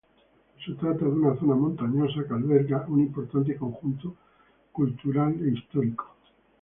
Se trata de una zona montañosa que alberga un importante conjunto cultural e histórico.